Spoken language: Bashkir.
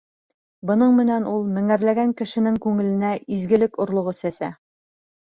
Бының менән ул меңәрләгән кешенең күңеленә изгелек орлоғо сәсә.